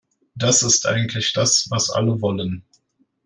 Das ist eigentlich das, was alle wollen.